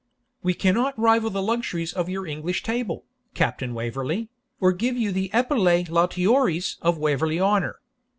'We cannot rival the luxuries of your English table, Captain Waverley, or give you the epulae lautiores of Waverley Honour.